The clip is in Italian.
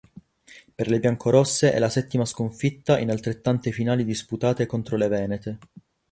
Per le biancorosse è la settima sconfitta in altrettante finali disputate contro le venete.